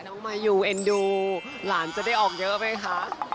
มายูเอ็นดูหลานจะได้ออกเยอะไหมคะ